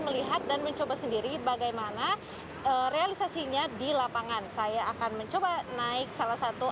melihat dan mencoba sendiri bagaimana realisasinya di lapangan saya akan mencoba naik salah satu